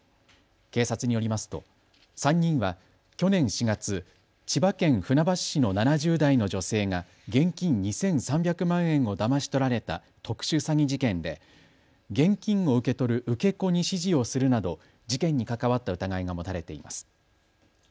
警察によりますと３人は去年４月、千葉県船橋市の７０代の女性が現金２３００万円をだまし取られた特殊詐欺事件で現金を受け取る受け子に指示をするなど事件に関わった疑いが持たれています。